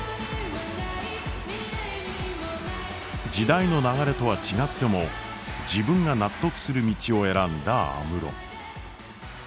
時代の流れとは違っても自分が納得する道を選んだ安室。